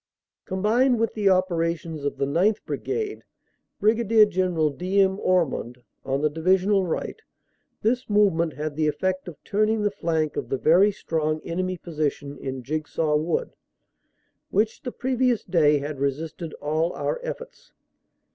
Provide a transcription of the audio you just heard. Combined with the operations of the 9th. Brigade, Brig. General D. M. Ormond, on the divisional right, this move ment had the effect of turning the flank of the very strong enemy position in Jigsaw Wood, which the previous day had OPERATIONS: AUG. 28 135 resisted all our efforts.